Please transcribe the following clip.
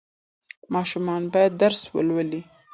ماشومان باید درس ولولي.